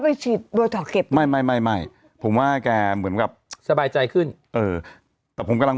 ไปฉีดโบท็อกเก็บไม่ไม่ไม่ไม่ผมว่าแกเหมือนกับสบายใจขึ้นเออแต่ผมกำลัง